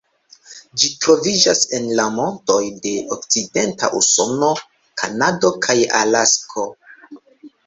Ĝi troviĝas en la montoj de okcidenta Usono, Kanado kaj Alasko.